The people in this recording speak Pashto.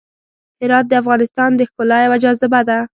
هرات د افغانستان د ښکلا یوه جاذبه ده.